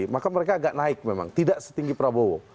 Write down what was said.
maka mereka agak naik memang tidak setinggi prabowo